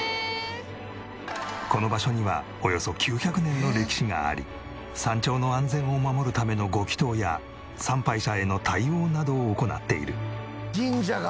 この場所にはおよそ９００年の歴史があり山頂の安全を守るためのご祈祷や参拝者への対応などを行っている。